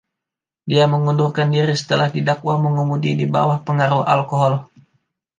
Dia mengundurkan diri setelah didakwa mengemudi di bawah pengaruh alkohol.